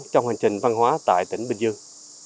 trong hành trình văn hóa tại tỉnh bình dương